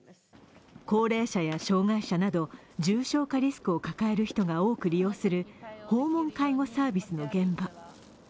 高齢者や障害者など重症化リスクを抱える人が多く利用する訪問介護サービスの現場。